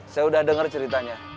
saya udah denger ceritanya